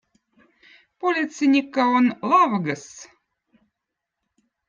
politseinikkõ on lavgöz